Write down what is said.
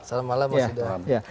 selamat malam mas yudha